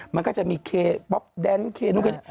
มันก็จะมีเคป๊อปแดนนุ้งเกด